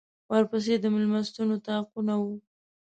ورپسې د مېلمستون اطاقونه وو.